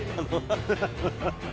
ハハハハ！